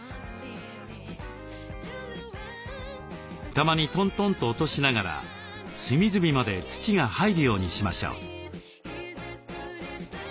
たまにトントンと落としながら隅々まで土が入るようにしましょう。